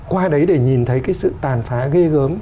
qua đấy để nhìn thấy cái sự tàn phá ghê gớm